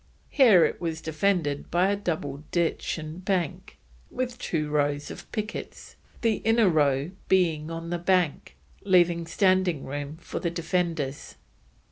Here it was defended by a double ditch and bank, with two rows of pickets, the inner row being on the bank, leaving standing room for the defenders.